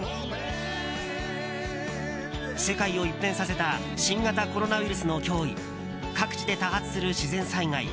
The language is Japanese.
世界を一変させた新型コロナウイルスの脅威各地で多発する自然災害